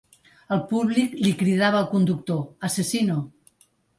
El públic li cridava al conductor “asesino”.